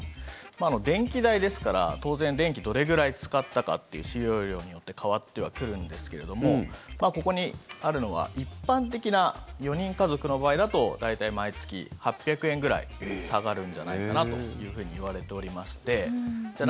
電気代ですから当然、電気どれぐらい使ったかっていう使用量によって変わってはくるんですけれどもここにあるのは一般的な４人家族の場合だと大体、毎月８００円ぐらい下がるんじゃないかなというふうにいわれておりましてじゃあ